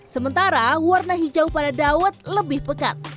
sementara warna hijau pada dawet lebih pekat